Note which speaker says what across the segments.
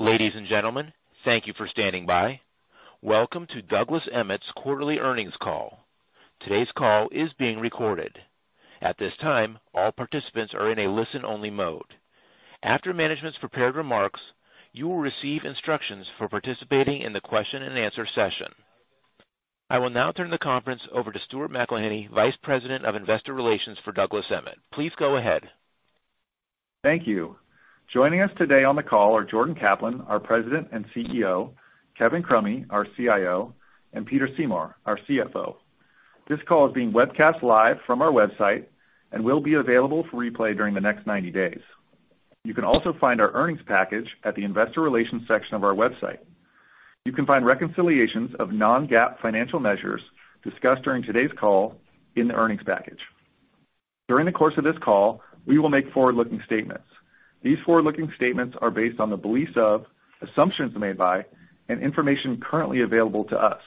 Speaker 1: Ladies and gentlemen, thank you for standing by. Welcome to Douglas Emmett's quarterly earnings call. Today's call is being recorded. At this time, all participants are in a listen only mode. After management's prepared remarks, you will receive instructions for participating in the question and answer session. I will now turn the conference over to Stuart McElhinney, Vice President of Investor Relations for Douglas Emmett. Please go ahead.
Speaker 2: Thank you. Joining us today on the call are Jordan Kaplan, our President and CEO, Kevin Crummy, our CIO, and Peter Seymour, our CFO. This call is being webcast live from our website and will be available for replay during the next 90 days. You can also find our earnings package at the investor relations section of our website. You can find reconciliations of non-GAAP financial measures discussed during today's call in the earnings package. During the course of this call, we will make forward-looking statements. These forward-looking statements are based on the beliefs of, assumptions made by, and information currently available to us.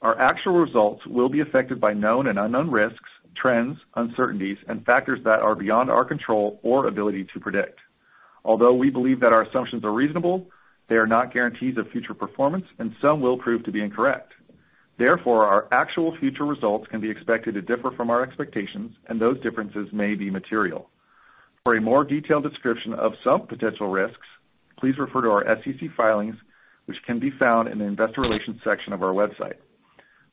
Speaker 2: Our actual results will be affected by known and unknown risks, trends, uncertainties and factors that are beyond our control or ability to predict. Although we believe that our assumptions are reasonable, they are not guarantees of future performance, and some will prove to be incorrect. Therefore, our actual future results can be expected to differ from our expectations, and those differences may be material. For a more detailed description of some potential risks, please refer to our SEC filings, which can be found in the investor relations section of our website.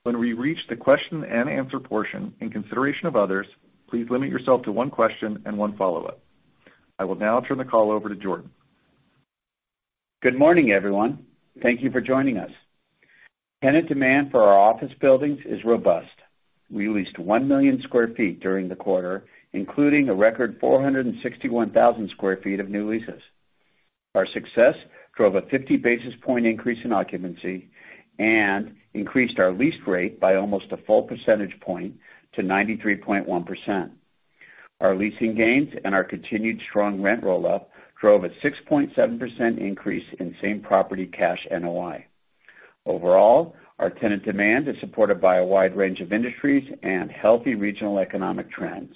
Speaker 2: When we reach the question and answer portion, in consideration of others, please limit yourself to one question and one follow-up. I will now turn the call over to Jordan.
Speaker 3: Good morning, everyone. Thank you for joining us. Tenant demand for our office buildings is robust. We leased 1 million square feet during the quarter, including a record 461,000 square feet of new leases. Our success drove a 50 basis point increase in occupancy and increased our lease rate by almost a full percentage point to 93.1%. Our leasing gains and our continued strong rent rollout drove a 6.7% increase in same property cash NOI. Overall, our tenant demand is supported by a wide range of industries and healthy regional economic trends.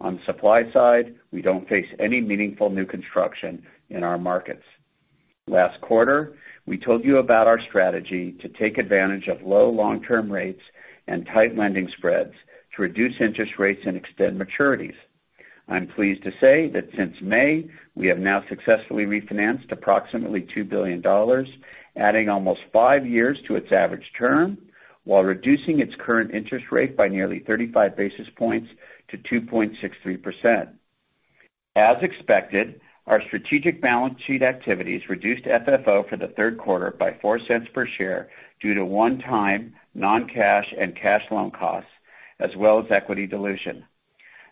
Speaker 3: On the supply side, we don't face any meaningful new construction in our markets. Last quarter, we told you about our strategy to take advantage of low long-term rates and tight lending spreads to reduce interest rates and extend maturities. I'm pleased to say that since May, we have now successfully refinanced approximately $2 billion, adding almost 5 years to its average term, while reducing its current interest rate by nearly 35 basis points to 2.63%. As expected, our strategic balance sheet activities reduced FFO for the third quarter by $0.04 per share due to one-time non-cash and cash loan costs, as well as equity dilution.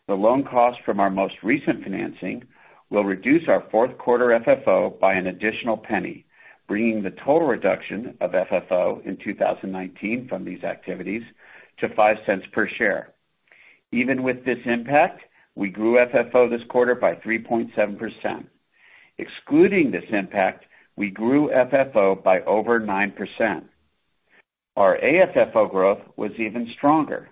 Speaker 3: The loan cost from our most recent financing will reduce our fourth quarter FFO by an additional $0.01, bringing the total reduction of FFO in 2019 from these activities to $0.05 per share. Even with this impact, we grew FFO this quarter by 3.7%. Excluding this impact, we grew FFO by over 9%. Our AFFO growth was even stronger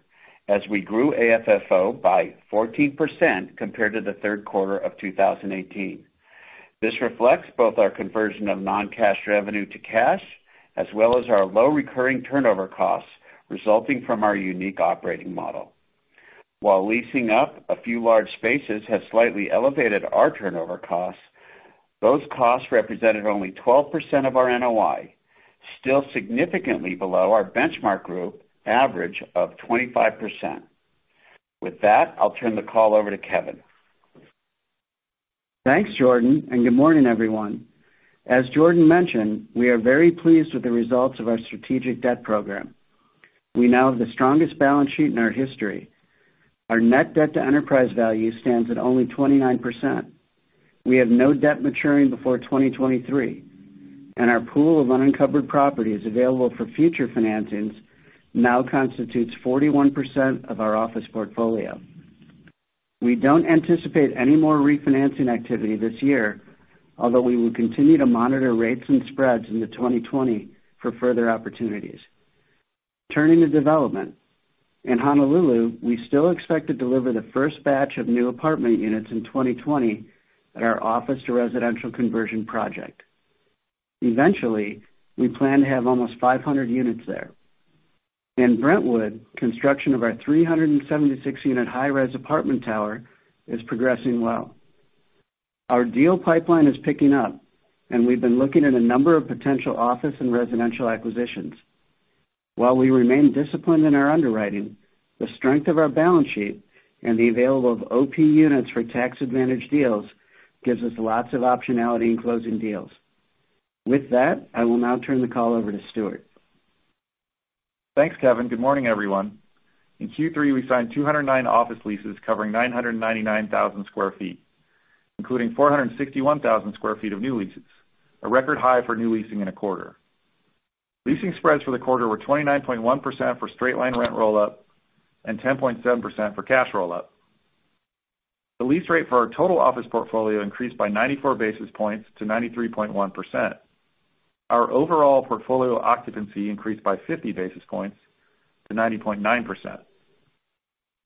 Speaker 3: as we grew AFFO by 14% compared to the third quarter of 2018. This reflects both our conversion of non-cash revenue to cash, as well as our low recurring turnover costs resulting from our unique operating model. While leasing up a few large spaces has slightly elevated our turnover costs, those costs represented only 12% of our NOI, still significantly below our benchmark group average of 25%. With that, I'll turn the call over to Kevin.
Speaker 4: Thanks, Jordan, and good morning, everyone. As Jordan mentioned, we are very pleased with the results of our strategic debt program. We now have the strongest balance sheet in our history. Our net debt to enterprise value stands at only 29%. We have no debt maturing before 2023, and our pool of uncovered properties available for future financings now constitutes 41% of our office portfolio. We don't anticipate any more refinancing activity this year, although we will continue to monitor rates and spreads into 2020 for further opportunities. Turning to development. In Honolulu, we still expect to deliver the first batch of new apartment units in 2020 at our office to residential conversion project. Eventually, we plan to have almost 500 units there. In Brentwood, construction of our 376 unit high-rise apartment tower is progressing well. Our deal pipeline is picking up and we've been looking at a number of potential office and residential acquisitions. While we remain disciplined in our underwriting, the strength of our balance sheet and the availability of OP units for tax-advantaged deals gives us lots of optionality in closing deals. With that, I will now turn the call over to Stuart.
Speaker 2: Thanks, Kevin. Good morning, everyone. In Q3, we signed 209 office leases covering 999,000 sq ft, including 461,000 sq ft of new leases, a record high for new leasing in a quarter. Leasing spreads for the quarter were 29.1% for straight-line rent roll-up and 10.7% for cash roll-up. The lease rate for our total office portfolio increased by 94 basis points to 93.1%. Our overall portfolio occupancy increased by 50 basis points to 90.9%.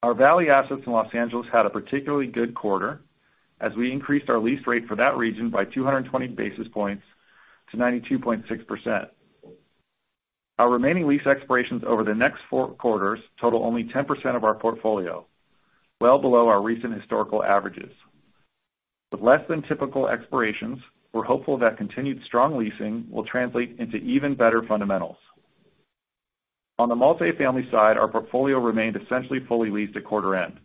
Speaker 2: Our Valley assets in Los Angeles had a particularly good quarter as we increased our lease rate for that region by 220 basis points to 92.6%. Our remaining lease expirations over the next four quarters total only 10% of our portfolio, well below our recent historical averages. With less than typical expirations, we're hopeful that continued strong leasing will translate into even better fundamentals. On the multifamily side, our portfolio remained essentially fully leased at quarter end.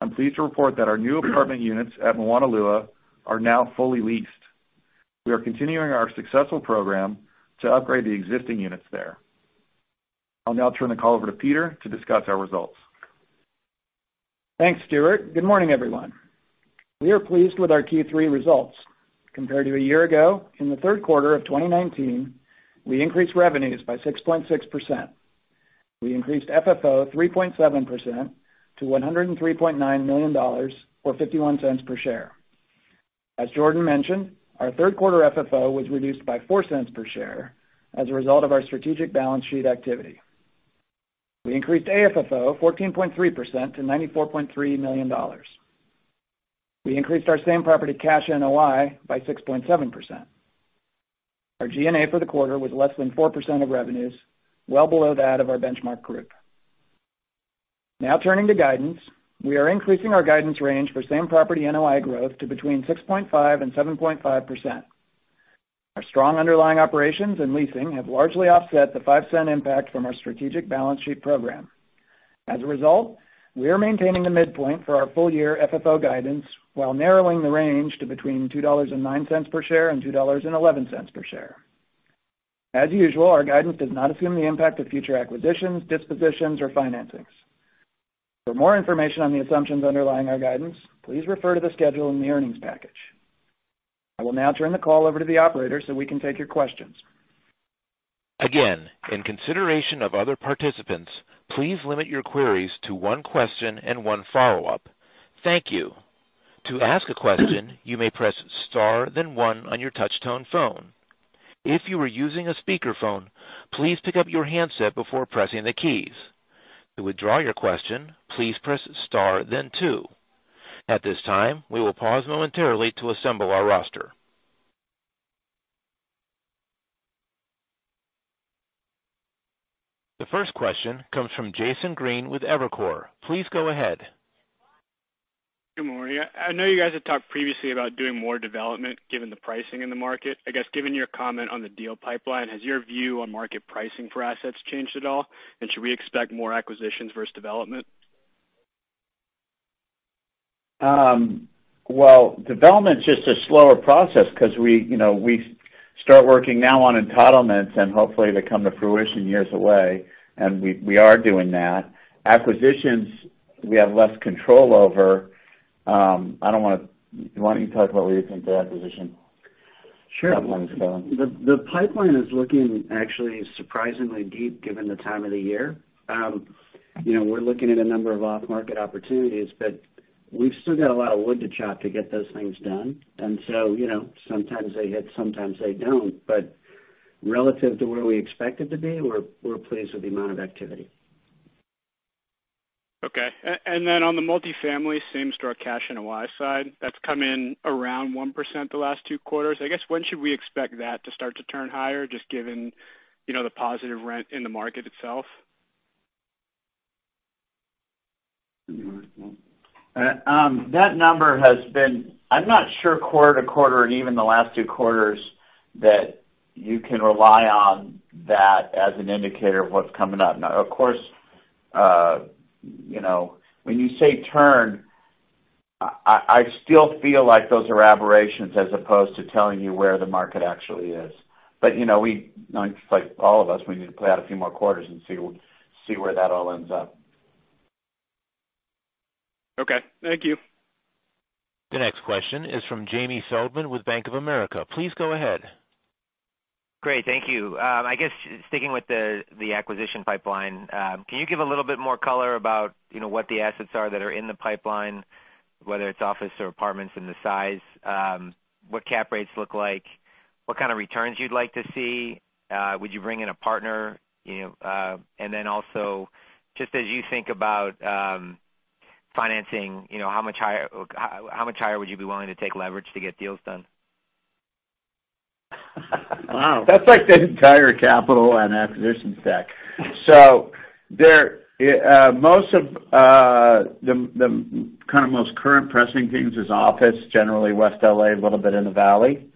Speaker 2: I'm pleased to report that our new apartment units at Moanalua are now fully leased. We are continuing our successful program to upgrade the existing units there. I'll now turn the call over to Peter to discuss our results.
Speaker 5: Thanks, Stuart. Good morning, everyone. We are pleased with our Q3 results. Compared to a year ago, in the third quarter of 2019, we increased revenues by 6.6%. We increased FFO 3.7% to $103.9 million, or $0.51 per share. As Jordan mentioned, our third quarter FFO was reduced by $0.04 per share as a result of our strategic balance sheet activity. We increased AFFO 14.3% to $94.3 million. We increased our same property cash NOI by 6.7%. Our G&A for the quarter was less than 4% of revenues, well below that of our benchmark group. Now turning to guidance. We are increasing our guidance range for same property NOI growth to between 6.5%-7.5%. Our strong underlying operations and leasing have largely offset the $0.05 impact from our strategic balance sheet program. As a result, we are maintaining the midpoint for our full year FFO guidance while narrowing the range to between $2.09 per share and $2.11 per share. As usual, our guidance does not assume the impact of future acquisitions, dispositions, or financings. For more information on the assumptions underlying our guidance, please refer to the schedule in the earnings package. I will now turn the call over to the operator so we can take your questions.
Speaker 1: Again, in consideration of other participants, please limit your queries to one question and one follow-up. Thank you. To ask a question, you may press star then one on your touch tone phone. If you are using a speakerphone, please pick up your handset before pressing the keys. To withdraw your question, please press star then two. At this time, we will pause momentarily to assemble our roster. The first question comes from Jason Green with Evercore. Please go ahead.
Speaker 6: Good morning. I know you guys had talked previously about doing more development, given the pricing in the market. I guess, given your comment on the deal pipeline, has your view on market pricing for assets changed at all? Should we expect more acquisitions versus development?
Speaker 3: Well, development's just a slower process because we start working now on entitlements and hopefully they come to fruition years away, and we are doing that. Acquisitions, we have less control over. Do you want me to talk about what we think the acquisition-
Speaker 4: Sure. I'll let him go. The pipeline is looking actually surprisingly deep given the time of the year. We're looking at a number of off-market opportunities, but we've still got a lot of wood to chop to get those things done. Sometimes they hit, sometimes they don't. Relative to where we expect it to be, we're pleased with the amount of activity.
Speaker 6: Okay. On the multifamily, same-store cash NOI side, that's come in around 1% the last two quarters. I guess, when should we expect that to start to turn higher, just given the positive rent in the market itself?
Speaker 2: I'm not sure quarter to quarter and even the last two quarters that you can rely on that as an indicator of what's coming up. Now, of course, when you say turn, I still feel like those are aberrations as opposed to telling you where the market actually is. Like all of us, we need to play out a few more quarters and see where that all ends up.
Speaker 6: Okay. Thank you.
Speaker 1: The next question is from Jamie Feldman with Bank of America. Please go ahead.
Speaker 7: Great. Thank you. I guess sticking with the acquisition pipeline, can you give a little bit more color about what the assets are that are in the pipeline, whether it's office or apartments, and the size? What cap rates look like? What kind of returns you'd like to see? Would you bring in a partner? Also, just as you think about financing, how much higher would you be willing to take leverage to get deals done?
Speaker 5: Wow. That's like the entire capital and acquisition stack. Most of the kind of most current pressing things is office, generally West L.A., a little bit in the Valley.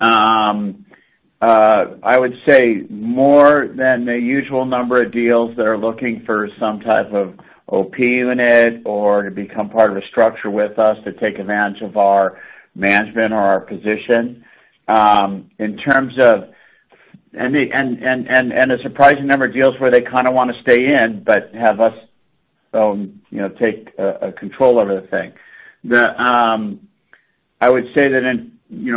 Speaker 5: I would say more than the usual number of deals that are looking for some type of OP unit or to become part of a structure with us to take advantage of our management or our position. A surprising number of deals where they kind of want to stay in but have us take control over the thing. I would say that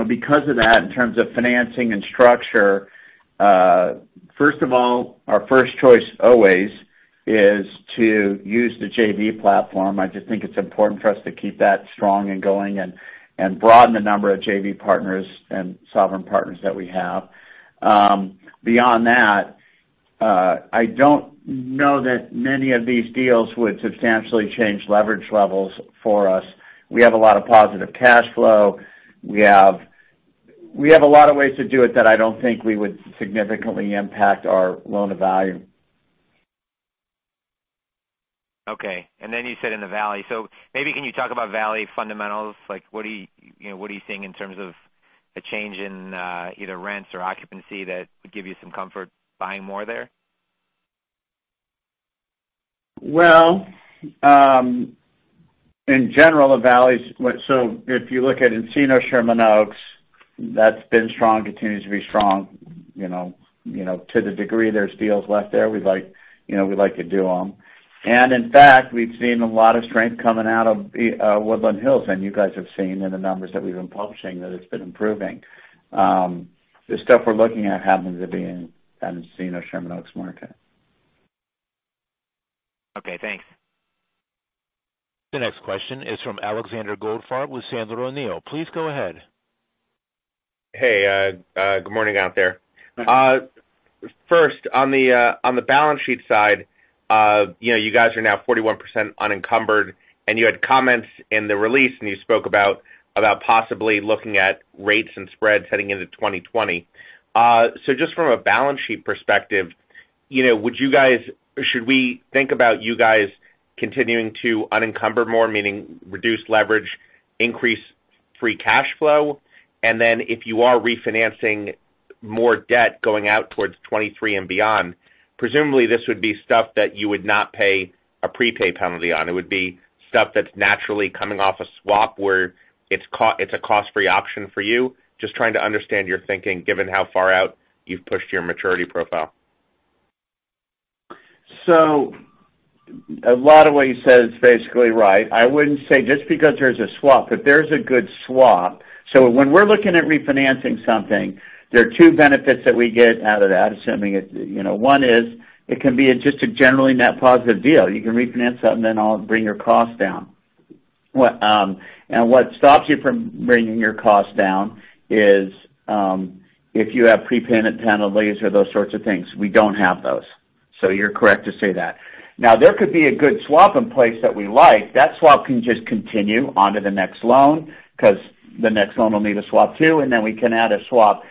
Speaker 5: because of that, in terms of financing and structure, first of all, our first choice always is to use the JV platform. I just think it's important for us to keep that strong and going and broaden the number of JV partners and sovereign partners that we have. Beyond that
Speaker 3: I don't know that many of these deals would substantially change leverage levels for us. We have a lot of positive cash flow. We have a lot of ways to do it that I don't think we would significantly impact our loan-to-value.
Speaker 7: Okay. You said in the Valley. Maybe can you talk about Valley fundamentals? What are you seeing in terms of a change in either rents or occupancy that would give you some comfort buying more there?
Speaker 3: Well, in general, if you look at Encino, Sherman Oaks, that's been strong, continues to be strong. To the degree there's deals left there, we'd like to do them. In fact, we've seen a lot of strength coming out of Woodland Hills, and you guys have seen in the numbers that we've been publishing that it's been improving. The stuff we're looking at happens to be in Encino, Sherman Oaks market.
Speaker 7: Okay, thanks.
Speaker 1: The next question is from Alexander Goldfarb with Sandler O'Neill. Please go ahead.
Speaker 8: Hey, good morning out there.
Speaker 3: Good morning.
Speaker 8: First, on the balance sheet side, you guys are now 41% unencumbered, and you had comments in the release, and you spoke about possibly looking at rates and spreads heading into 2020. Just from a balance sheet perspective, should we think about you guys continuing to unencumber more, meaning reduce leverage, increase free cash flow? Then if you are refinancing more debt going out towards 2023 and beyond, presumably this would be stuff that you would not pay a prepay penalty on. It would be stuff that's naturally coming off a swap where it's a cost-free option for you. Just trying to understand your thinking, given how far out you've pushed your maturity profile.
Speaker 3: A lot of what you said is basically right. I wouldn't say just because there's a swap, if there's a good swap. When we're looking at refinancing something, there are two benefits that we get out of that, assuming it. One is it can be just a generally net positive deal. You can refinance something, all bring your cost down. What stops you from bringing your cost down is, if you have prepayment penalties or those sorts of things. We don't have those. You're correct to say that. There could be a good swap in place that we like. That swap can just continue onto the next loan because the next loan will need a swap, too, and then we can add a swap.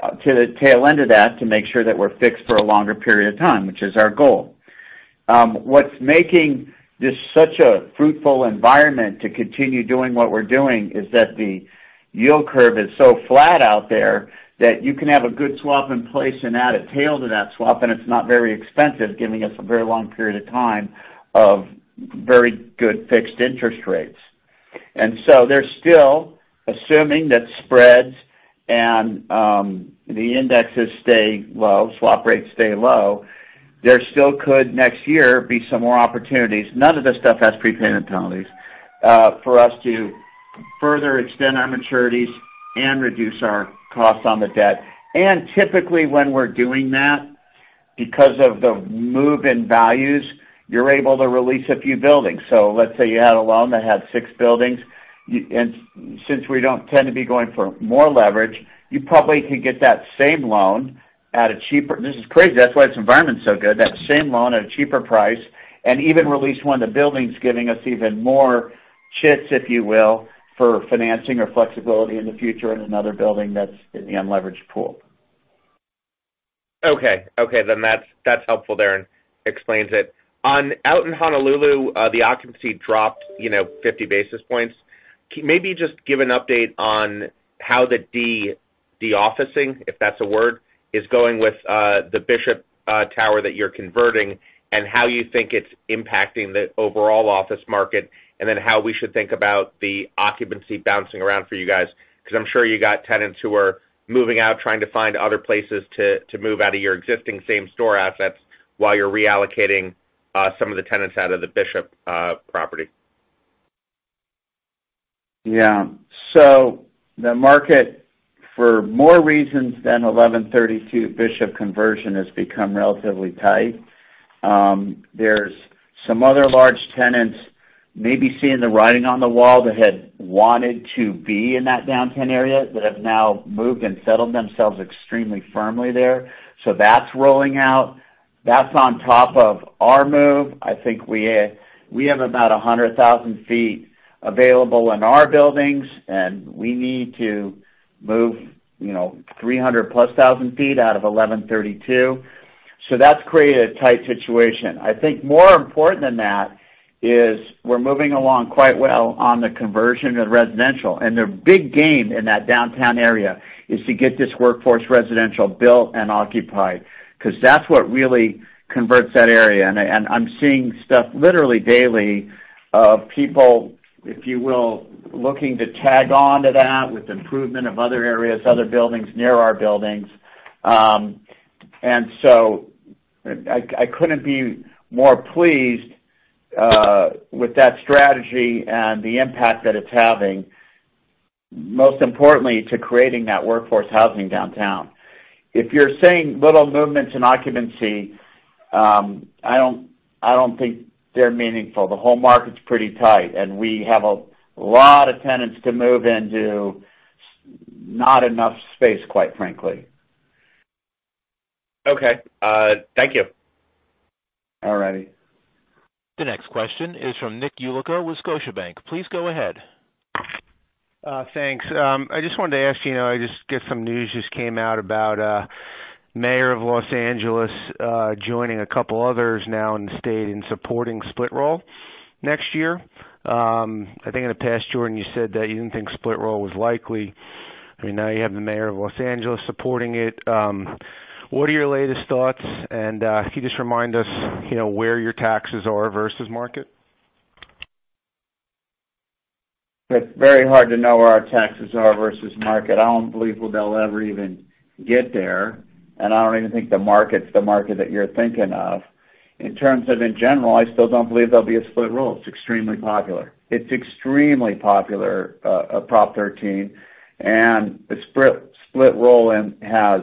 Speaker 3: To the tail end of that, to make sure that we're fixed for a longer period of time, which is our goal. What's making this such a fruitful environment to continue doing what we're doing is that the yield curve is so flat out there that you can have a good swap in place and add a tail to that swap, and it's not very expensive, giving us a very long period of time of very good fixed interest rates. They're still assuming that spreads and the indexes stay low, swap rates stay low. There still could, next year, be some more opportunities, none of this stuff has prepayment penalties, for us to further extend our maturities and reduce our costs on the debt. Typically, when we're doing that, because of the move in values, you're able to release a few buildings. Let's say you had a loan that had six buildings, and since we don't tend to be going for more leverage, you probably could get that same loan, this is crazy, that's why this environment's so good, at a cheaper price, and even release one of the buildings, giving us even more chits, if you will, for financing or flexibility in the future in another building that's in the unleveraged pool.
Speaker 8: Okay. That's helpful there and explains it. Out in Honolulu, the occupancy dropped 50 basis points. Can maybe you just give an update on how the de-officing, if that's a word, is going with the Bishop Tower that you're converting, and how you think it's impacting the overall office market, and how we should think about the occupancy bouncing around for you guys. I'm sure you got tenants who are moving out, trying to find other places to move out of your existing same store assets while you're reallocating some of the tenants out of the Bishop property.
Speaker 3: Yeah. The market, for more reasons than 1132 Bishop conversion, has become relatively tight. There's some other large tenants maybe seeing the writing on the wall that had wanted to be in that downtown area that have now moved and settled themselves extremely firmly there. That's rolling out. That's on top of our move. I think we have about 100,000 feet available in our buildings, and we need to move 300-plus thousand feet out of 1132. That's created a tight situation. I think more important than that is we're moving along quite well on the conversion to residential, and their big gain in that downtown area is to get this workforce residential built and occupied, because that's what really converts that area. I'm seeing stuff literally daily of people, if you will, looking to tag on to that with improvement of other areas, other buildings near our buildings. I couldn't be more pleased with that strategy and the impact that it's having, most importantly, to creating that workforce housing downtown. If you're seeing little movements in occupancy, I don't think they're meaningful. The whole market's pretty tight, and we have a lot of tenants to move into. There's not enough space, quite frankly.
Speaker 8: Okay. Thank you.
Speaker 3: All righty.
Speaker 1: The next question is from Nick Yulico with Scotiabank. Please go ahead.
Speaker 9: Thanks. I just wanted to ask, I just get some news just came out about Mayor of L.A. joining a couple others now in the state in supporting split roll next year. I think in the past, Jordan, you said that you didn't think split roll was likely. Now you have the Mayor of L.A. supporting it. What are your latest thoughts, and can you just remind us where your taxes are versus market?
Speaker 3: It's very hard to know where our taxes are versus market. I don't believe we'll ever even get there, and I don't even think the market's the market that you're thinking of. In terms of in general, I still don't believe there'll be a split roll. It's extremely popular. It's extremely popular, Prop 13, and the split roll has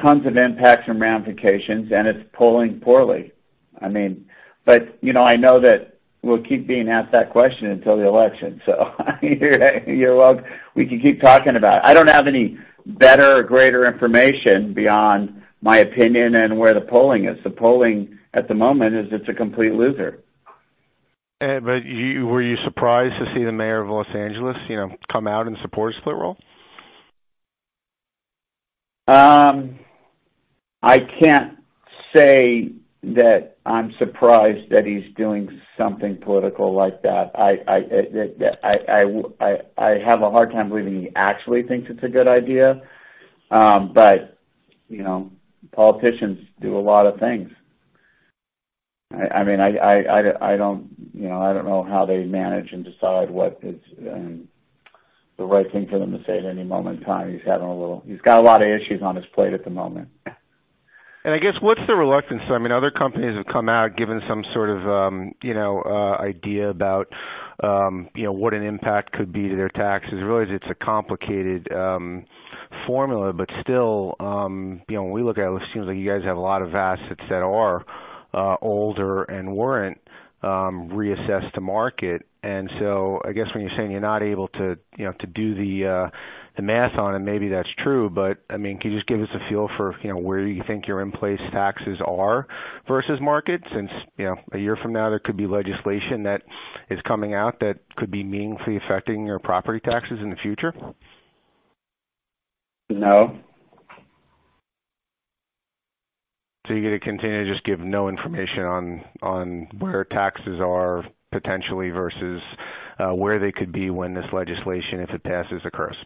Speaker 3: tons of impacts from ramifications, and it's polling poorly. I know that we'll keep being asked that question until the election. You're welcome. We can keep talking about it. I don't have any better or greater information beyond my opinion and where the polling is. The polling at the moment is it's a complete loser.
Speaker 9: Were you surprised to see the mayor of Los Angeles come out and support split roll?
Speaker 3: I can't say that I'm surprised that he's doing something political like that. I have a hard time believing he actually thinks it's a good idea. Politicians do a lot of things. I don't know how they manage and decide what is the right thing for them to say at any moment in time. He's got a lot of issues on his plate at the moment.
Speaker 9: I guess, what's the reluctance, though? Other companies have come out giving some sort of idea about what an impact could be to their taxes. Really, it's a complicated formula, but still, when we look at it seems like you guys have a lot of assets that are older and weren't reassessed to market. I guess when you're saying you're not able to do the math on it, maybe that's true, but can you just give us a feel for where you think your in-place taxes are versus market, since a year from now, there could be legislation that is coming out that could be meaningfully affecting your property taxes in the future?
Speaker 3: No.
Speaker 9: You're going to continue to just give no information on where taxes are potentially versus where they could be when this legislation, if it passes, occurs?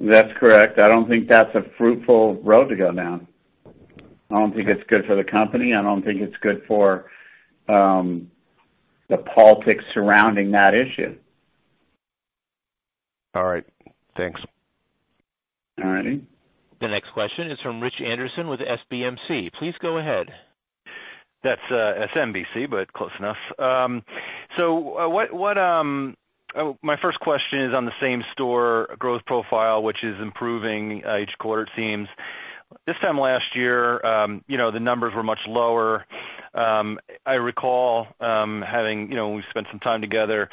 Speaker 3: That's correct. I don't think that's a fruitful road to go down. I don't think it's good for the company. I don't think it's good for the politics surrounding that issue.
Speaker 9: All right. Thanks.
Speaker 3: All righty.
Speaker 1: The next question is from Rich Anderson with SMBC. Please go ahead.
Speaker 10: That's SMBC, close enough. My first question is on the same store growth profile, which is improving each quarter, it seems. This time last year, the numbers were much lower. I recall we spent some time together.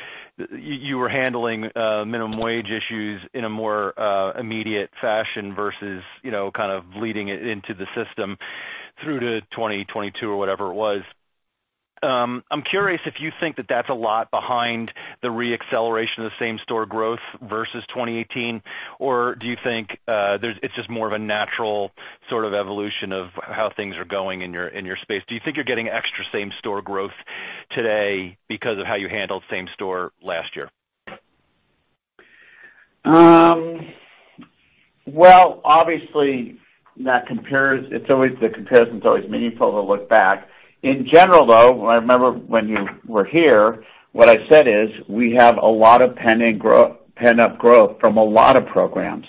Speaker 10: You were handling minimum wage issues in a more immediate fashion versus kind of leading it into the system through to 2022 or whatever it was. I'm curious if you think that that's a lot behind the re-acceleration of the same store growth versus 2018, do you think it's just more of a natural sort of evolution of how things are going in your space? Do you think you're getting extra same store growth today because of how you handled same store last year?
Speaker 3: Well, obviously, the comparison's always meaningful to look back. In general, though, I remember when you were here, what I said is we have a lot of pent-up growth from a lot of programs.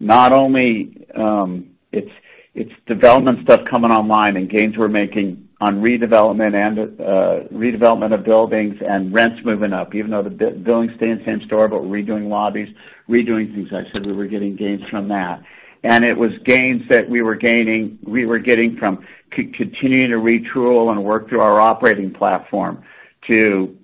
Speaker 3: It's development stuff coming online and gains we're making on redevelopment of buildings and rents moving up, even though the buildings stay in same store, but redoing lobbies, redoing things. I said we were getting gains from that. It was gains that we were getting from continuing to retool and work through our operating platform to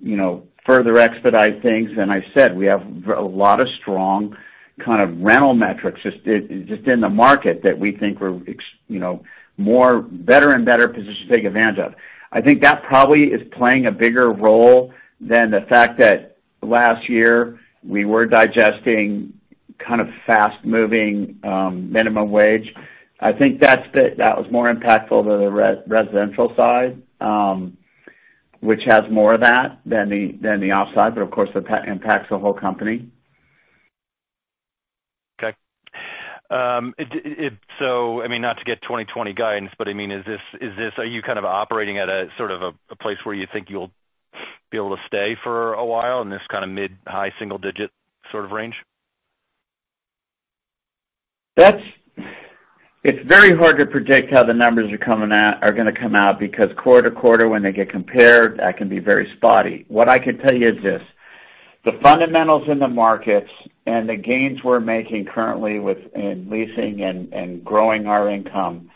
Speaker 3: further expedite things. I said, we have a lot of strong kind of rental metrics just in the market that we think we're in better and better positions to take advantage of. I think that probably is playing a bigger role than the fact that last year we were digesting kind of fast-moving minimum wage. I think that was more impactful to the residential side, which has more of that than the office side. Of course, it impacts the whole company.
Speaker 10: Okay. Not to get 2020 guidance, are you kind of operating at a sort of a place where you think you'll be able to stay for a while in this kind of mid-high single digit sort of range?
Speaker 3: It's very hard to predict how the numbers are going to come out because quarter to quarter, when they get compared, that can be very spotty. What I can tell you is this: the fundamentals in the markets and the gains we're making currently in leasing and growing our income.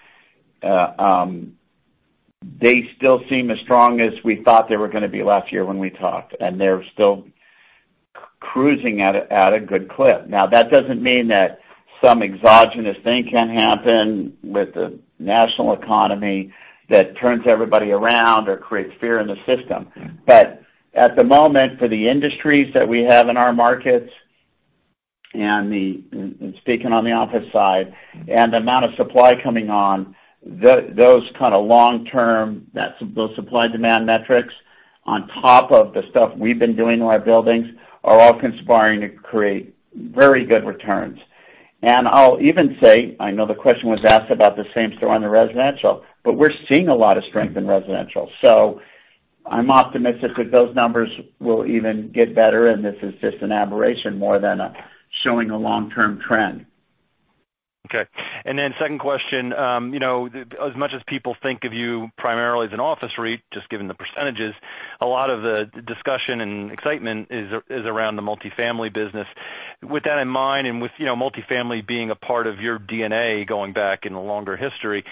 Speaker 3: They still seem as strong as we thought they were going to be last year when we talked, and they're still cruising at a good clip. That doesn't mean that some exogenous thing can't happen with the national economy that turns everybody around or creates fear in the system. At the moment, for the industries that we have in our markets, and speaking on the office side, and the amount of supply coming on, those kind of long-term, those supply-demand metrics on top of the stuff we've been doing to our buildings, are all conspiring to create very good returns. I'll even say, I know the question was asked about the same story on the residential, but we're seeing a lot of strength in residential. I'm optimistic that those numbers will even get better, and this is just an aberration more than showing a long-term trend.
Speaker 10: Okay. Second question. As much as people think of you primarily as an office REIT, just given the percentages, a lot of the discussion and excitement is around the multifamily business. With that in mind and with multifamily being a part of your DNA going back in the longer history,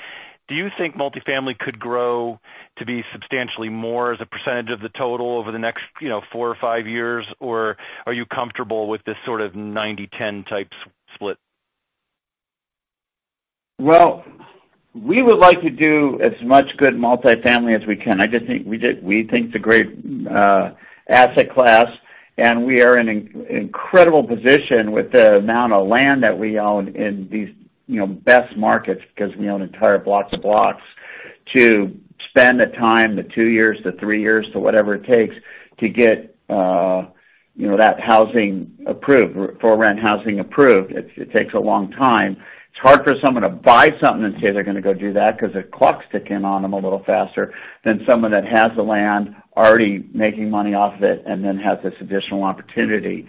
Speaker 10: do you think multifamily could grow to be substantially more as a percentage of the total over the next four or five years? Or are you comfortable with this sort of 90-10 type split?
Speaker 3: Well, we would like to do as much good multifamily as we can. We think it's a great asset class, and we are in an incredible position with the amount of land that we own in these best markets, because we own entire blocks of blocks. To spend the time, the two years to three years to whatever it takes to get that for rent housing approved, it takes a long time. It's hard for someone to buy something and say they're going to go do that because the clock's ticking on them a little faster than someone that has the land, already making money off of it, and then has this additional opportunity.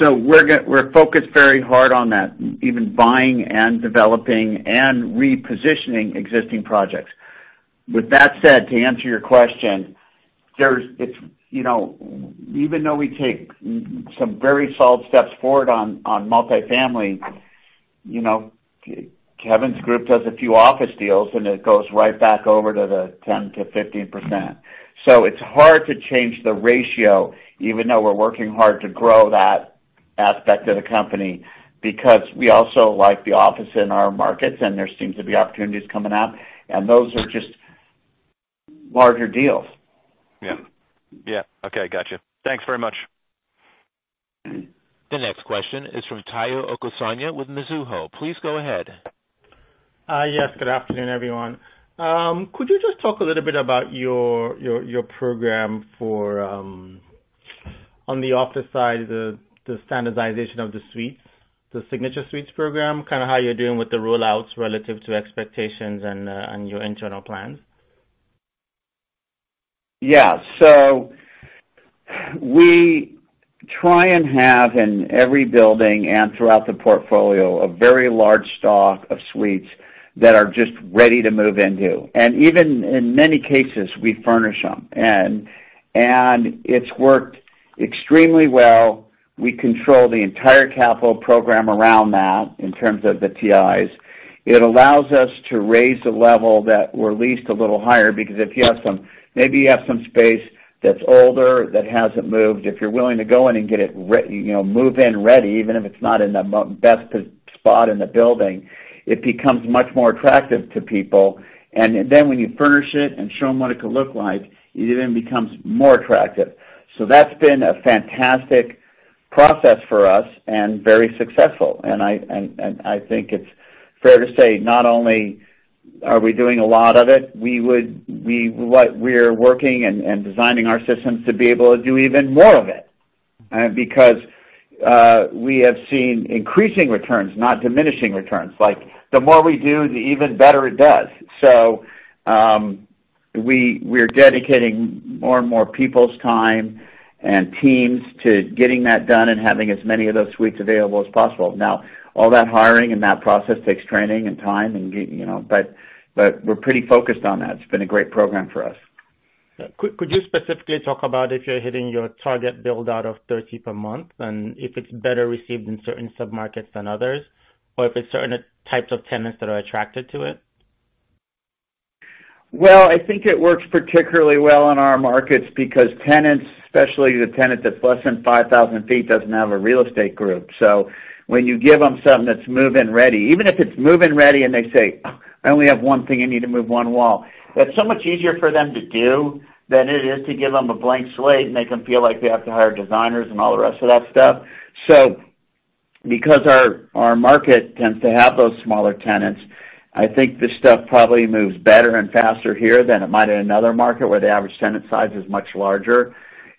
Speaker 3: We're focused very hard on that, even buying and developing and repositioning existing projects. With that said, to answer your question, even though we take some very solid steps forward on multifamily, Kevin's group does a few office deals, it goes right back over to the 10%-15%. It's hard to change the ratio, even though we're working hard to grow that aspect of the company, because we also like the office in our markets, and there seems to be opportunities coming up, and those are just larger deals.
Speaker 10: Yeah. Okay. Got you. Thanks very much.
Speaker 1: The next question is from Tayo Okusanya with Mizuho. Please go ahead.
Speaker 11: Yes, good afternoon, everyone. Could you just talk a little bit about your program on the office side, the standardization of the suites, the Signature Suites program, kind of how you're doing with the roll-outs relative to expectations and your internal plans?
Speaker 3: Yeah. We try and have, in every building and throughout the portfolio, a very large stock of suites that are just ready to move into. Even in many cases, we furnish them. It's worked extremely well. We control the entire capital program around that in terms of the TIs. It allows us to raise the level that we're leased a little higher, because maybe you have some space that's older, that hasn't moved. If you're willing to go in and get it move-in ready, even if it's not in the best spot in the building, it becomes much more attractive to people. When you furnish it and show them what it could look like, it even becomes more attractive. That's been a fantastic process for us and very successful. I think it's fair to say, not only are we doing a lot of it, we're working and designing our systems to be able to do even more of it. We have seen increasing returns, not diminishing returns. Like, the more we do, the even better it does. We're dedicating more and more people's time and teams to getting that done and having as many of those suites available as possible. All that hiring and that process takes training and time, but we're pretty focused on that. It's been a great program for us.
Speaker 11: Could you specifically talk about if you're hitting your target build-out of 30 per month, and if it's better received in certain submarkets than others, or if it's certain types of tenants that are attracted to it?
Speaker 3: Well, I think it works particularly well in our markets because tenants, especially the tenant that's less than 5,000 feet, doesn't have a real estate group. When you give them something that's move-in ready, even if it's move-in ready and they say, "I only have one thing. I need to move one wall." That's so much easier for them to do than it is to give them a blank slate and make them feel like they have to hire designers and all the rest of that stuff. Because our market tends to have those smaller tenants, I think this stuff probably moves better and faster here than it might in another market where the average tenant size is much larger.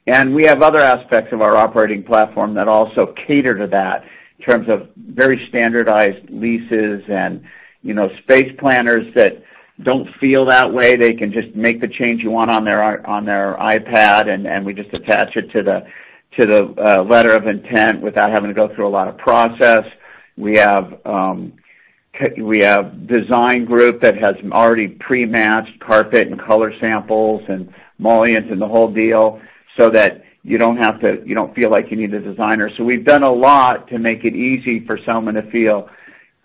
Speaker 3: We have other aspects of our operating platform that also cater to that in terms of very standardized leases and space planners that don't feel that way. They can just make the change you want on their iPad, and we just attach it to the letter of intent without having to go through a lot of process. We have design group that has already pre-matched carpet and color samples and mullions and the whole deal, so that you don't feel like you need a designer. We've done a lot to make it easy for someone to feel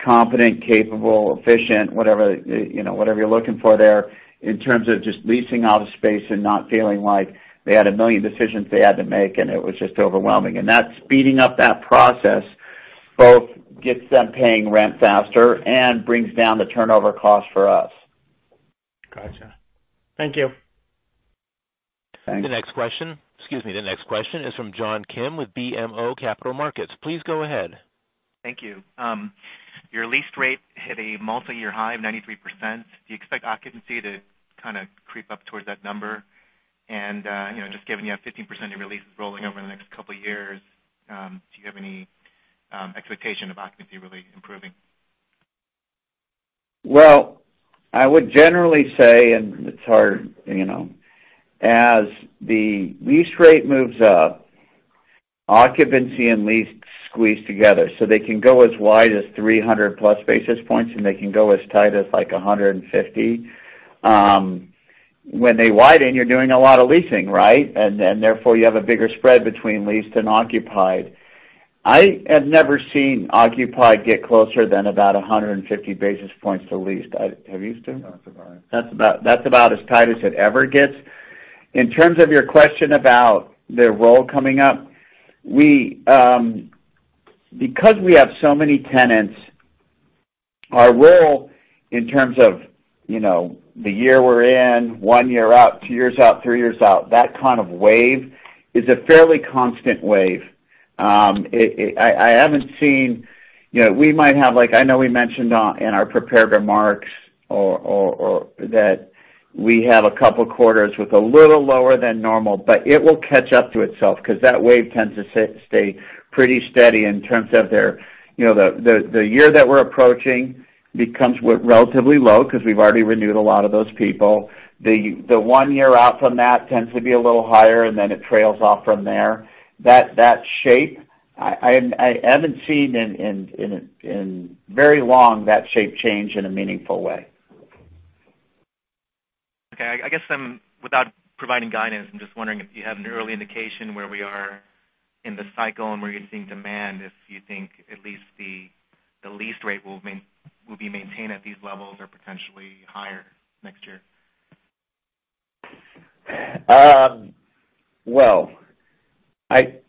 Speaker 3: competent, capable, efficient, whatever you're looking for there in terms of just leasing out a space and not feeling like they had 1 million decisions they had to make, and it was just overwhelming. That speeding up that process both gets them paying rent faster and brings down the turnover cost for us.
Speaker 11: Got you. Thank you.
Speaker 3: Thanks.
Speaker 1: The next question is from John Kim with BMO Capital Markets. Please go ahead.
Speaker 12: Thank you. Your lease rate hit a multi-year high of 93%. Do you expect occupancy to kind of creep up towards that number? Just given you have 15% of your leases rolling over the next couple of years, do you have any expectation of occupancy really improving?
Speaker 3: Well, I would generally say, and it's hard, as the lease rate moves up, occupancy and leased squeeze together, so they can go as wide as 300-plus basis points, and they can go as tight as like 150. When they widen, you're doing a lot of leasing. Therefore, you have a bigger spread between leased and occupied. I have never seen occupied get closer than about 150 basis points to leased. Have you, Stuart? That's about it. That's about as tight as it ever gets. In terms of your question about their roll coming up, because we have so many tenants, our roll in terms of, the year we're in, one year out, two years out, three years out, that kind of wave, is a fairly constant wave. We might have, like I know we mentioned in our prepared remarks that we have a couple of quarters with a little lower than normal. It will catch up to itself because that wave tends to stay pretty steady. The year that we're approaching becomes relatively low because we've already renewed a lot of those people. The one year out from that tends to be a little higher. It trails off from there. That shape, I haven't seen in very long, that shape change in a meaningful way.
Speaker 12: I guess, without providing guidance, I'm just wondering if you have an early indication where we are in the cycle and where you're seeing demand, if you think at least the lease rate will be maintained at these levels or potentially higher next year?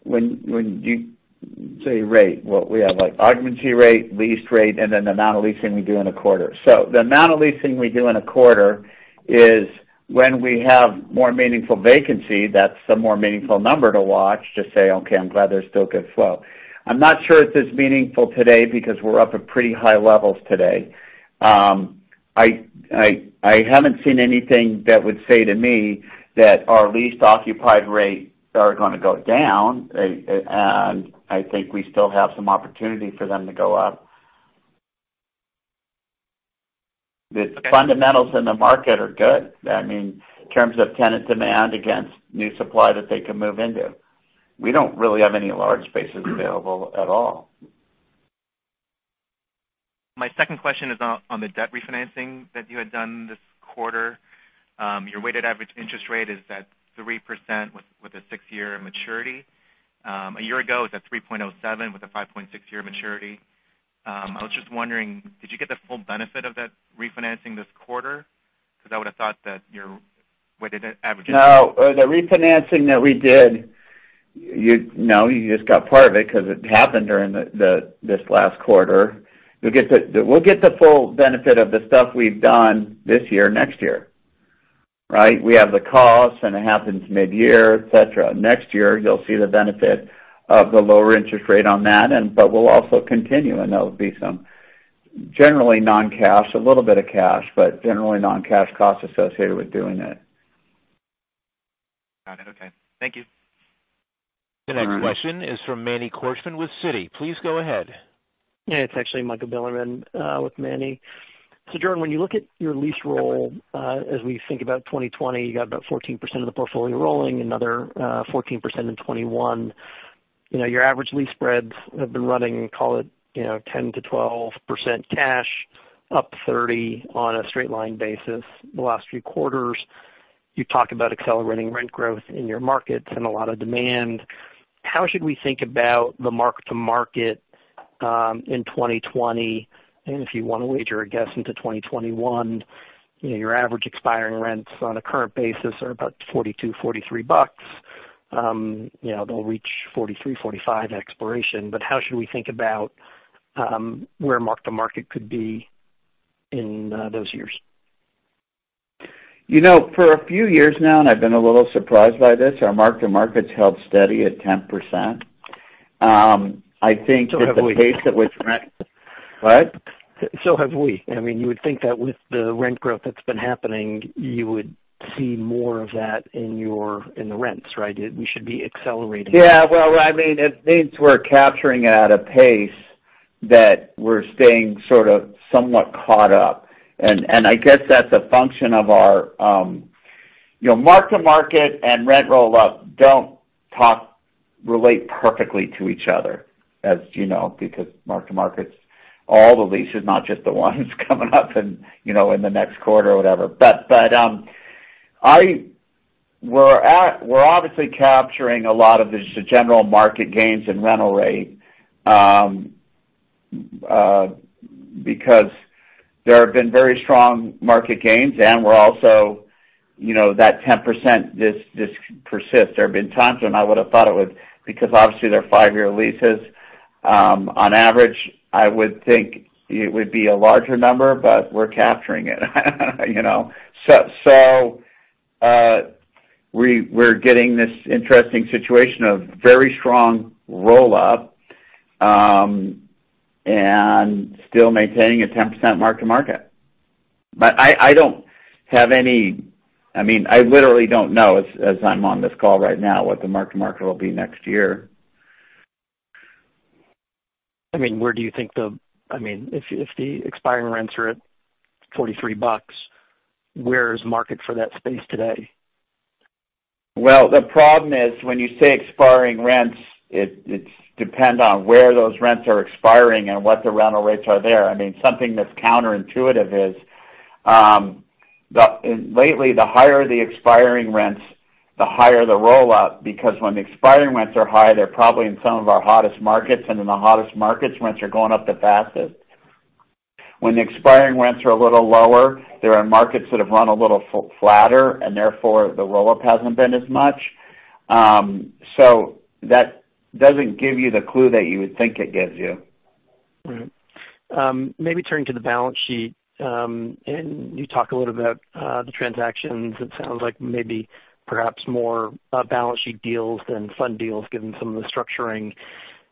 Speaker 3: When you say rate, we have occupancy rate, lease rate, the amount of leasing we do in a quarter. The amount of leasing we do in a quarter is when we have more meaningful vacancy, that's the more meaningful number to watch to say, "Okay, I'm glad they're still good flow." I'm not sure if that's meaningful today because we're up at pretty high levels today. I haven't seen anything that would say to me that our leased occupied rate are going to go down. I think we still have some opportunity for them to go up. The fundamentals in the market are good. I mean, in terms of tenant demand against new supply that they can move into. We don't really have any large spaces available at all.
Speaker 12: My second question is on the debt refinancing that you had done this quarter. Your weighted average interest rate is at 3% with a six-year maturity. A year ago, it was at 3.07% with a 5.6-year maturity. I was just wondering, did you get the full benefit of that refinancing this quarter?
Speaker 3: No. The refinancing that we did, no, you just got part of it because it happened during this last quarter. We'll get the full benefit of the stuff we've done this year, next year. We have the cost, and it happens mid-year, et cetera. Next year, you'll see the benefit of the lower interest rate on that, but we'll also continue, and that would be some generally non-cash, a little bit of cash, but generally non-cash costs associated with doing it.
Speaker 12: Got it. Okay. Thank you.
Speaker 3: All right.
Speaker 1: The next question is from Manny Korchman with Citi. Please go ahead.
Speaker 13: Yeah. It's actually Michael Bilerman with Manny. Jordan, when you look at your lease roll, as we think about 2020, you got about 14% of the portfolio rolling, another 14% in 2021. Your average lease spreads have been running, call it, 10%-12% cash, up 30% on a straight-line basis the last few quarters. You've talked about accelerating rent growth in your markets and a lot of demand. How should we think about the mark-to-market in 2020? If you want to wager a guess into 2021, your average expiring rents on a current basis are about $42, $43. They'll reach $43, $45 at expiration. How should we think about where mark-to-market could be in those years?
Speaker 3: For a few years now, and I've been a little surprised by this, our mark-to-market's held steady at 10%.
Speaker 13: Have we.
Speaker 3: What?
Speaker 13: Have we. I mean, you would think that with the rent growth that's been happening, you would see more of that in the rents, right? We should be accelerating.
Speaker 3: Well, I mean, it means we're capturing it at a pace that we're staying sort of somewhat caught up. I guess that's a function of our mark-to-market and rent roll-up don't relate perfectly to each other, as you know, because mark-to-market's all the leases, not just the ones coming up in the next quarter or whatever. We're obviously capturing a lot of just the general market gains in rental rate, because there have been very strong market gains and we're also that 10% just persists. There have been times when I would have thought it would, because obviously they're five-year leases. On average, I would think it would be a larger number, but we're capturing it. We're getting this interesting situation of very strong roll-up, and still maintaining a 10% mark-to-market. I literally don't know, as I'm on this call right now, what the mark-to-market will be next year.
Speaker 13: Where do you think if the expiring rents are at $43, where is market for that space today?
Speaker 3: Well, the problem is, when you say expiring rents, it depends on where those rents are expiring and what the rental rates are there. Something that's counterintuitive is, lately, the higher the expiring rents, the higher the roll-up, because when the expiring rents are high, they're probably in some of our hottest markets, and in the hottest markets, rents are going up the fastest. When the expiring rents are a little lower, there are markets that have run a little flatter, and therefore, the roll-up hasn't been as much. That doesn't give you the clue that you would think it gives you.
Speaker 13: Right. Maybe turning to the balance sheet, and you talk a little about the transactions, it sounds like maybe perhaps more balance sheet deals than fund deals, given some of the structuring.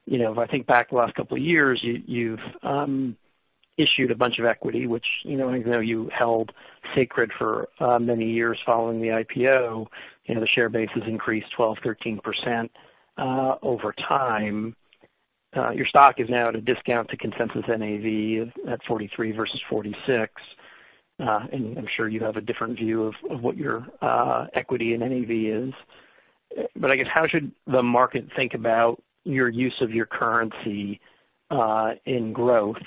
Speaker 13: If I think back the last couple of years, you've issued a bunch of equity, which I know you held sacred for many years following the IPO, the share base has increased 12%, 13% over time. Your stock is now at a discount to consensus NAV at $43 versus $46. I'm sure you have a different view of what your equity in NAV is. I guess, how should the market think about your use of your currency in growth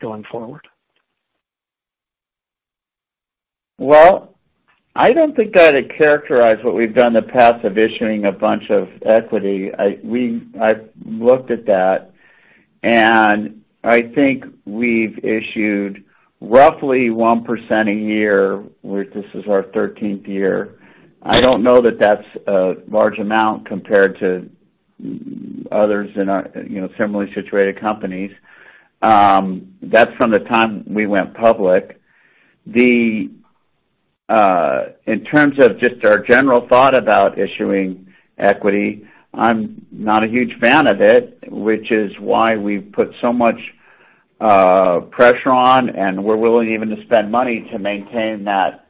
Speaker 13: going forward?
Speaker 3: Well, I don't think I'd characterize what we've done in the past of issuing a bunch of equity. I've looked at that, and I think we've issued roughly 1% a year. This is our 13th year. I don't know that that's a large amount compared to others in our similarly situated companies. That's from the time we went public. In terms of just our general thought about issuing equity, I'm not a huge fan of it, which is why we've put so much pressure on, and we're willing even to spend money to maintain that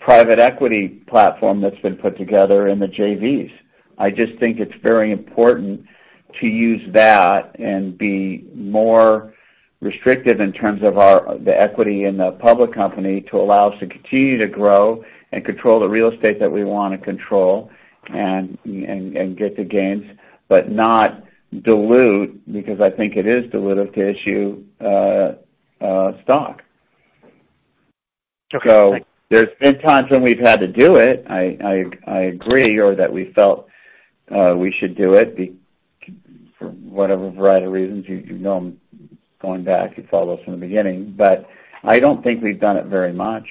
Speaker 3: private equity platform that's been put together in the JVs. I just think it's very important to use that and be more restrictive in terms of the equity in the public company to allow us to continue to grow and control the real estate that we want to control and get the gains, but not dilute, because I think it is dilutive to issue stock.
Speaker 13: Okay.
Speaker 3: There's been times when we've had to do it, I agree, or that we felt we should do it, for whatever variety of reasons. You know them going back. You've followed us from the beginning. I don't think we've done it very much.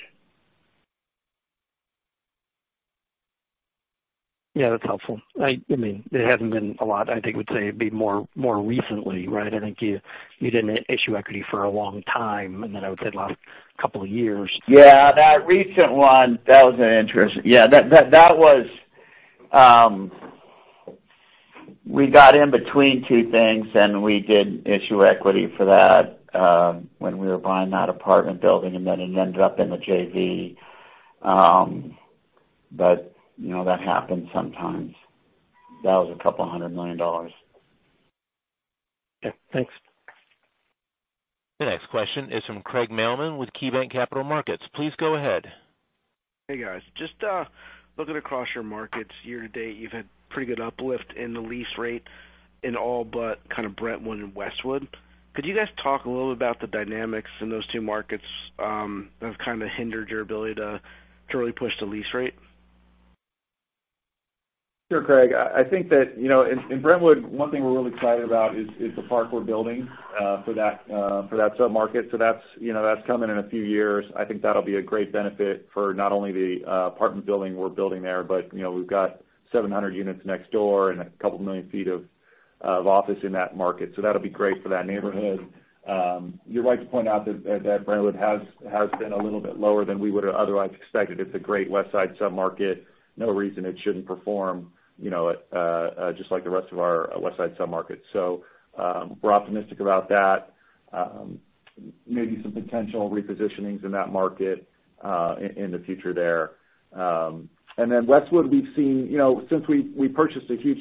Speaker 13: Yeah, that's helpful. It hasn't been a lot. I think we'd say it'd be more recently, right? I think you didn't issue equity for a long time. I would say the last couple of years.
Speaker 3: Yeah, that recent one. We got in between two things, and we did issue equity for that, when we were buying that apartment building, and then it ended up in the JV. That happens sometimes. That was $couple of hundred million dollars.
Speaker 13: Okay, thanks.
Speaker 1: The next question is from Craig Mailman with KeyBanc Capital Markets. Please go ahead.
Speaker 14: Hey, guys. Just looking across your markets year to date, you've had pretty good uplift in the lease rate in all but Brentwood and Westwood. Could you guys talk a little bit about the dynamics in those two markets that have kind of hindered your ability to really push the lease rate?
Speaker 2: Sure, Craig. I think that in Brentwood, one thing we're really excited about is the park we're building for that sub-market. That's coming in a few years. I think that'll be a great benefit for not only the apartment building we're building there, but we've got 700 units next door and 2 million feet of office in that market, so that'll be great for that neighborhood. You're right to point out that Brentwood has been a little bit lower than we would have otherwise expected. It's a great Westside sub-market. No reason it shouldn't perform just like the rest of our Westside sub-markets. We're optimistic about that. Maybe some potential repositionings in that market, in the future there. Westwood, since we purchased a huge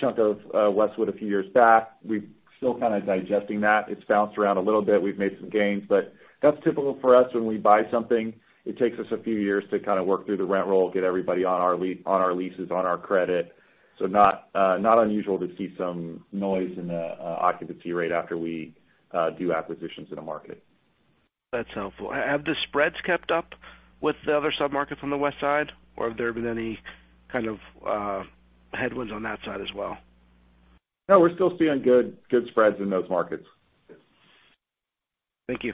Speaker 2: chunk of Westwood a few years back, we're still kind of digesting that. It's bounced around a little bit. We've made some gains. That's typical for us when we buy something. It takes us a few years to kind of work through the rent roll, get everybody on our leases, on our credit. Not unusual to see some noise in the occupancy rate after we do acquisitions in a market.
Speaker 14: That's helpful. Have the spreads kept up with the other sub-markets on the Westside, or have there been any kind of headwinds on that side as well?
Speaker 2: No, we're still seeing good spreads in those markets.
Speaker 14: Thank you.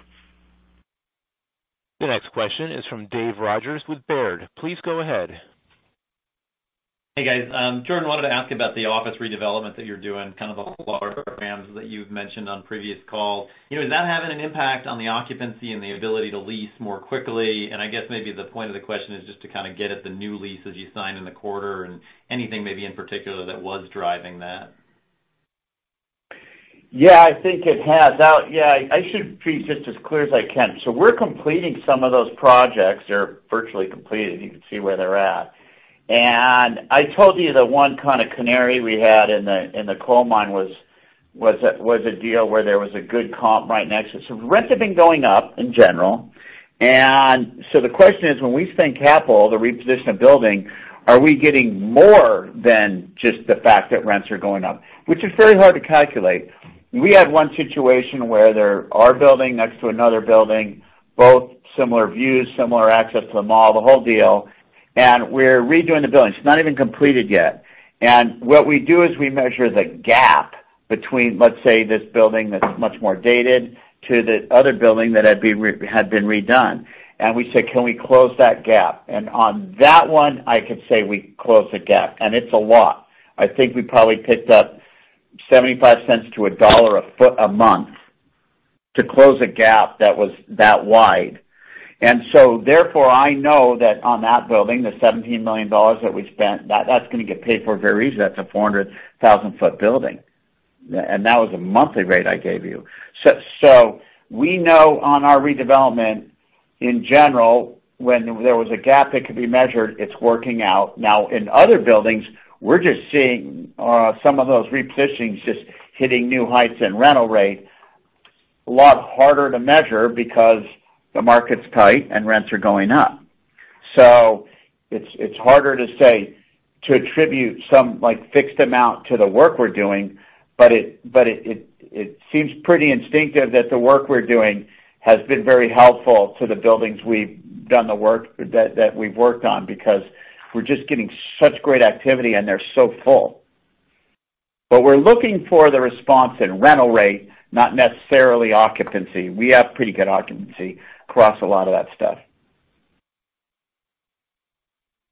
Speaker 1: The next question is from Dave Rodgers with Baird. Please go ahead.
Speaker 15: Hey, guys. Jordan, wanted to ask about the office redevelopment that you're doing, kind of the programs that you've mentioned on previous calls. Is that having an impact on the occupancy and the ability to lease more quickly? I guess maybe the point of the question is just to kind of get at the new leases you signed in the quarter and anything maybe in particular that was driving that.
Speaker 3: Yeah, I think it has. Yeah, I should be just as clear as I can. We're completing some of those projects. They're virtually completed. You can see where they're at. I told you the one kind of canary we had in the coal mine was a deal where there was a good comp right next to it. Rents have been going up in general, the question is, when we spend capital to reposition a building, are we getting more than just the fact that rents are going up? Which is very hard to calculate. We had one situation where there are building next to another building, both similar views, similar access to the mall, the whole deal. We're redoing the building. It's not even completed yet. What we do is we measure the gap between, let's say, this building that's much more dated to the other building that had been redone. We say, "Can we close that gap?" On that one, I could say we closed the gap, and it's a lot. I think we probably picked up $0.75 to $1 a foot a month to close a gap that was that wide. Therefore, I know that on that building, the $17 million that we spent, that's going to get paid for very easily. That's a 400,000-foot building. That was a monthly rate I gave you. We know on our redevelopment, in general, when there was a gap that could be measured, it's working out. Now, in other buildings, we're just seeing some of those repositionings just hitting new heights in rental rate. A lot harder to measure because the market's tight and rents are going up. It's harder to say, to attribute some fixed amount to the work we're doing. It seems pretty instinctive that the work we're doing has been very helpful to the buildings we've done the work, that we've worked on, because we're just getting such great activity, and they're so full. We're looking for the response in rental rate, not necessarily occupancy. We have pretty good occupancy across a lot of that stuff.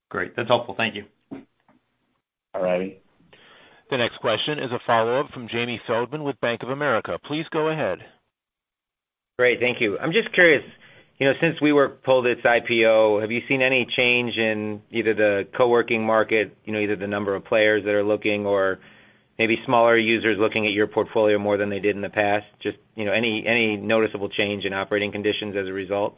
Speaker 15: Great. That's helpful. Thank you.
Speaker 3: All righty.
Speaker 1: The next question is a follow-up from Jamie Feldman with Bank of America. Please go ahead.
Speaker 7: Great. Thank you. I'm just curious, since WeWork pulled its IPO, have you seen any change in either the co-working market, either the number of players that are looking or maybe smaller users looking at your portfolio more than they did in the past? Just any noticeable change in operating conditions as a result?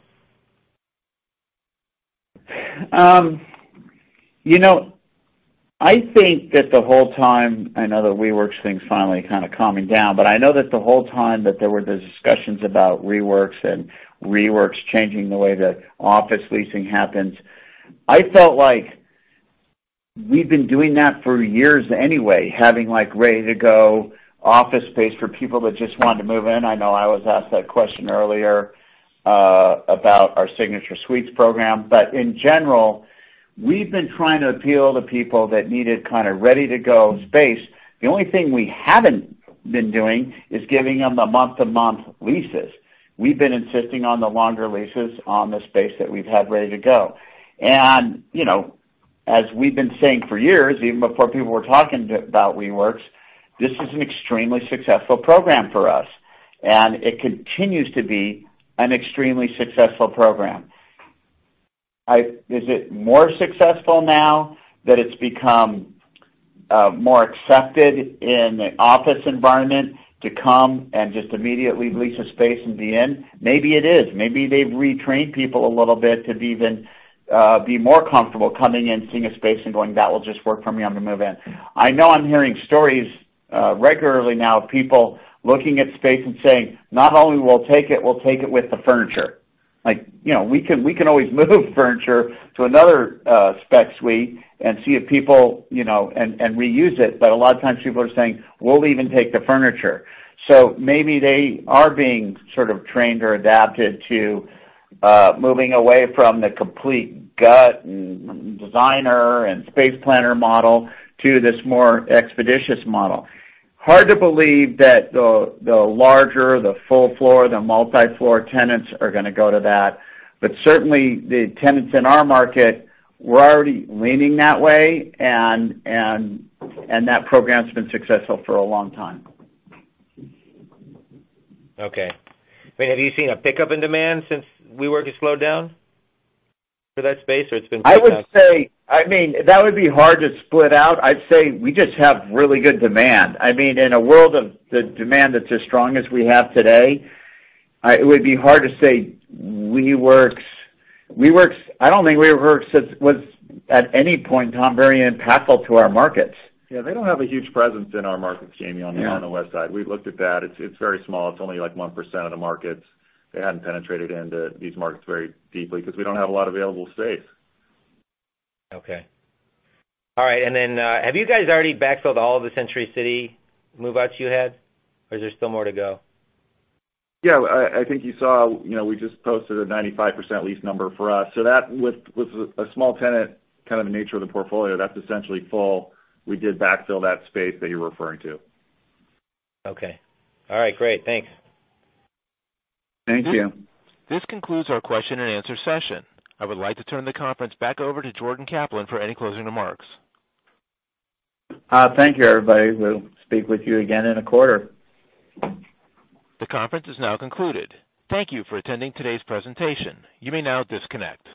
Speaker 3: I think that the whole time I know the WeWork's thing's finally kind of calming down, but I know that the whole time that there were those discussions about WeWork and WeWork's changing the way that office leasing happens, I felt like we've been doing that for years anyway, having ready-to-go office space for people that just wanted to move in. I know I was asked that question earlier, about our Signature Suites program. In general, we've been trying to appeal to people that needed kind of ready-to-go space. The only thing we haven't been doing is giving them the month-to-month leases. We've been insisting on the longer leases on the space that we've had ready to go. As we've been saying for years, even before people were talking about WeWork, this is an extremely successful program for us, and it continues to be an extremely successful program. Is it more successful now that it's become more accepted in the office environment to come and just immediately lease a space and be in? Maybe it is. Maybe they've retrained people a little bit to be even, be more comfortable coming in, seeing a space and going, "That will just work for me. I'm going to move in." I know I'm hearing stories regularly now of people looking at space and saying, "Not only we'll take it, we'll take it with the furniture." We can always move furniture to another spec suite and see if people and reuse it. A lot of times, people are saying, "We'll even take the furniture." Maybe they are being sort of trained or adapted to moving away from the complete gut and designer and space planner model to this more expeditious model. Hard to believe that the larger, the full floor, the multi-floor tenants are gonna go to that. Certainly, the tenants in our market were already leaning that way, and that program's been successful for a long time.
Speaker 7: Okay. Have you seen a pickup in demand since WeWork has slowed down for that space?
Speaker 3: I would say, that would be hard to split out. I'd say we just have really good demand. In a world of the demand that's as strong as we have today, it would be hard to say I don't think WeWork was, at any point in time, very impactful to our markets.
Speaker 2: Yeah, they don't have a huge presence in our markets, Jamie, on the Westside. We looked at that. It's very small. It's only like 1% of the markets. They haven't penetrated into these markets very deeply because we don't have a lot of available space.
Speaker 7: Okay. All right, have you guys already backfilled all of the Century City move-outs you had, or is there still more to go?
Speaker 2: Yeah, I think you saw, we just posted a 95% lease number for us. That, with a small tenant, kind of the nature of the portfolio, that's essentially full. We did backfill that space that you're referring to.
Speaker 7: Okay. All right, great. Thanks.
Speaker 3: Thank you.
Speaker 1: This concludes our question and answer session. I would like to turn the conference back over to Jordan Kaplan for any closing remarks.
Speaker 3: Thank you, everybody. We'll speak with you again in a quarter.
Speaker 1: The conference is now concluded. Thank you for attending today's presentation. You may now disconnect.